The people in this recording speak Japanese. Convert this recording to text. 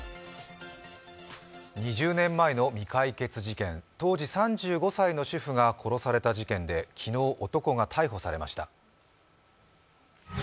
２０年前の未解決事件、当時３５歳の主婦が殺された事件で、昨日男が逮捕されました。